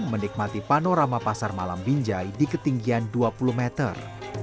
menikmati panorama pasar malam binjai di ketinggian dua puluh meter